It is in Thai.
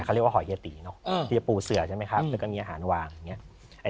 เขาเรียกว่าหอยเยตีเนอะที่จะปูเสือใช่ไหมครับแล้วก็มีอาหารวางอย่างนี้